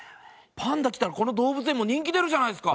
パンダ来たらこの動物園も人気出るじゃないですか！